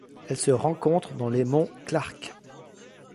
Elle se rencontre dans les monts Clarke.